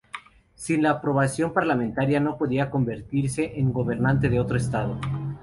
Sin la aprobación parlamentaria no podía convertirse en gobernante de otro estado.